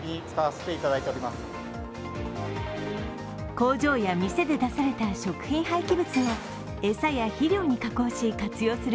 工場や店で出された食品廃棄物を餌や肥料に加工し活用する